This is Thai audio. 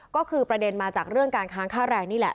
ก็คือประเด็นมาจากเรื่องการค้างค่าแรงนี่แหละ